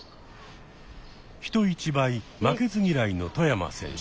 人一倍負けず嫌いの外山選手。